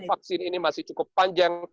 vaksin ini masih cukup panjang